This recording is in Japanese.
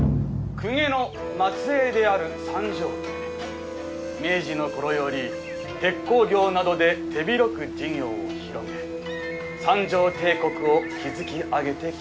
公家の末裔である三条家明治の頃より鉄鋼業などで手広く事業を広げ三条帝国を築き上げてきました